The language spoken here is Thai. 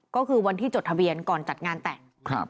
ก็คือวันที่จดทะเบียนก่อนจัดงานแต่ง